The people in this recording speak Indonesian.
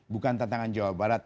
bukan tantangan jawa barat